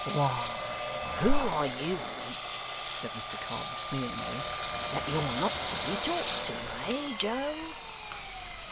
'Why, who are you,' said Mr Cobb, sneeringly, 'that you're not to be talked to, eh, Joe?